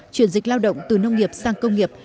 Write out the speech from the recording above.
chuyển dịch lao động từ nông nghiệp sang công nghiệp